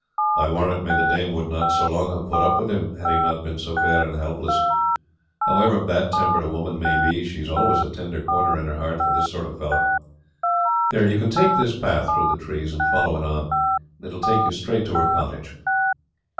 I warrant me, the dame would not so long have put up with him had he not been so fair and helpless. However bad tempered a woman may be, she has always a tender corner in her heart for this sort of fellow. There, you can take this path through the trees and follow it on; it will take you straight to her cottage."